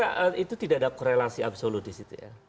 saya kira itu tidak ada korelasi absolut disitu ya